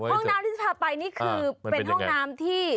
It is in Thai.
ห้องน้ำที่จะพาไปนี่คือเป็นห้องน้ำที่